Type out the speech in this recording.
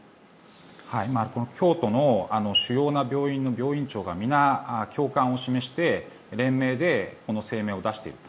京都の主要な病院の病院長が皆、共感を示して連名でこの声明を出している。